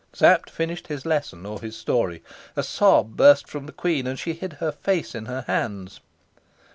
Sapt finished his lesson or his story. A sob burst from the queen, and she hid her face in her hands.